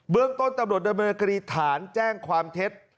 เรื่องต้นตำรวจดำเนินคดีฐานแจ้งความเท็จ